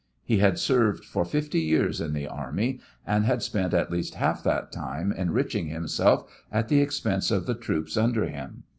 He had served for fifty years in the army, and had spent at least half that time enriching himself at the expense of the troops under him.